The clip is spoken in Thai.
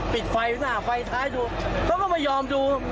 ปิดไฟหน้าไฟท้ายดูเขาก็ไม่ยอมดู